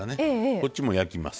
こっちも焼きます。